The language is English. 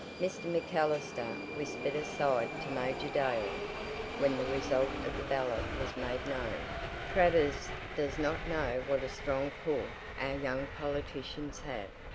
Mr. MacAllister whispered aside to Major Dale, when the result of the ballot was made known: "Travers does not know what a strong pull our young politicians have.